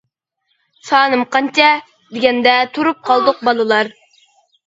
سانىم قانچە؟ دېگەندە، تۇرۇپ قالدۇق بالىلار.